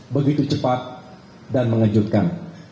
begitu cepat dan mengejutkan